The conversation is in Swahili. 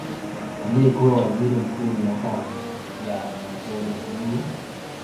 Aliyekuwa Waziri Mkuu miaka ya mwanzoni ya uhuru